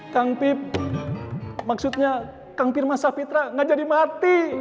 kang pip maksudnya kang pir masa fitra gak jadi mati